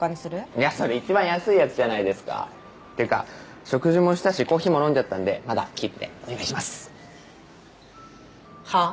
いやそれ一番安いやつじゃないですかっていうか食事もしたしコーヒーも飲んじゃったんでまだキープでお願いしますはあ？